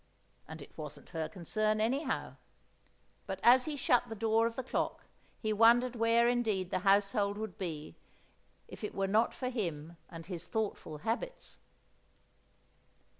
And it wasn't her concern anyhow; but as he shut the door of the clock, he wondered where indeed the household would be if it were not for him and his thoughtful habits!